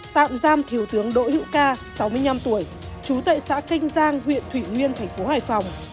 tạm giam thiếu tướng đỗ hữu ca sáu mươi năm tuổi trú tại xã kinh giang huyện thủy nguyên thành phố hải phòng